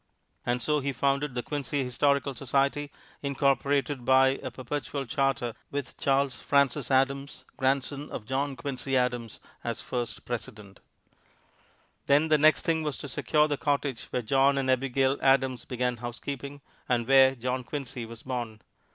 And so he founded the Quincy Historical Society, incorporated by a perpetual charter, with Charles Francis Adams, grandson of John Quincy Adams, as first president. Then, the next thing was to secure the cottage where John and Abigail Adams began housekeeping, and where John Quincy was born.